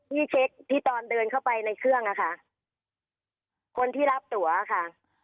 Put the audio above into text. ที่เช็คที่ตอนเดินเข้าไปในเครื่องอะค่ะคนที่รับตัวค่ะ